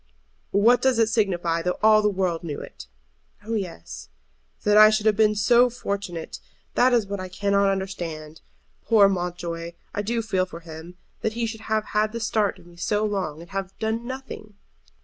"What does it signify though all the world knew it?" "Oh yes." "That I should have been so fortunate! That is what I cannot understand. Poor Mountjoy! I do feel for him. That he should have had the start of me so long, and have done nothing!"